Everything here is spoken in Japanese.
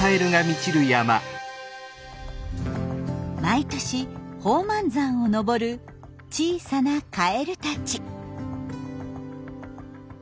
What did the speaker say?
毎年宝満山を登る小さなカエルたち。